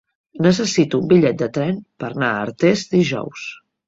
Necessito un bitllet de tren per anar a Artés dijous.